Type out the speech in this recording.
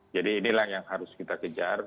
jadi inilah yang harus kita kejar